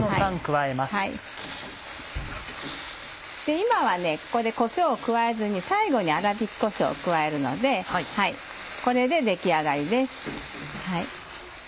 今はここでこしょうを加えずに最後に粗びきこしょうを加えるのでこれで出来上がりです。